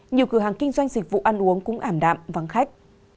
nhiều cửa hàng kinh doanh dịch vụ ăn uống cũng ảm đạm vắng khách